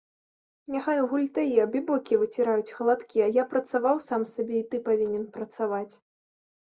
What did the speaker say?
Няхай гультаі, абібокі выціраюць халадкі, а я працаваў сам сабе, і ты павінен працаваць.